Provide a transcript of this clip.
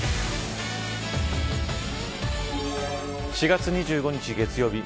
４月２５日月曜日